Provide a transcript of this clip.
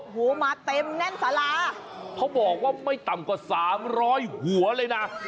โอ้โหมาเต็มแน่นสาราเขาบอกว่าไม่ต่ำกว่าสามร้อยหัวเลยนะ